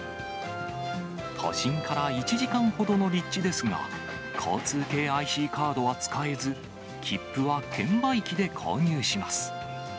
都心から１時間ほどの立地ですが、交通系ＩＣカードは使えず、切符は券売機で購入します。